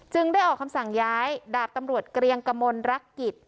ได้ออกคำสั่งย้ายดาบตำรวจเกรียงกมลรักกิจ